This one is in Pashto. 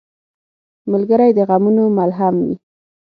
ملګری د غمونو ملهم وي.